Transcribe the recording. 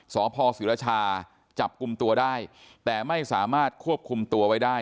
สพศิรชาจับกลุ่มตัวได้แต่ไม่สามารถควบคุมตัวไว้ได้